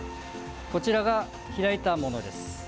こちらが開いたものです。